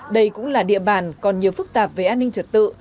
đây cũng là địa bàn còn nhiều phức tạp về an ninh trật tự